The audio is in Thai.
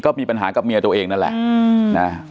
ก็มีปัญหากับเมียตัวเองนั่นแหละนะ